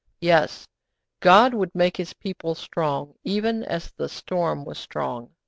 Yes, God would make His people strong, even as the storm was strong.